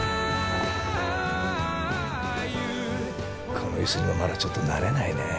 この椅子にはまだちょっと慣れないねえ。